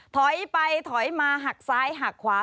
ถอยไปถอยมาหักซ้ายหักขวา